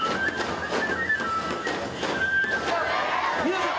皆さん